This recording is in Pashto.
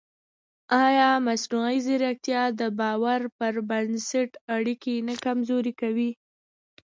ایا مصنوعي ځیرکتیا د باور پر بنسټ اړیکې نه کمزورې کوي؟